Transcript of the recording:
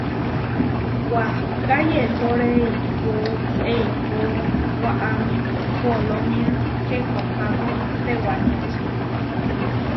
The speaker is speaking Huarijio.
Wahká yetóre eikó eikó waʼámi kolónia Hekopáko tewaniáči.